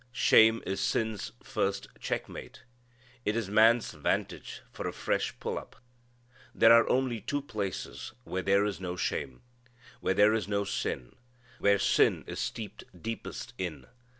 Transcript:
Shame is sin's first checkmate. It is man's vantage for a fresh pull up. There are only two places where there is no shame: where there is no sin; where sin is steeped deepest in.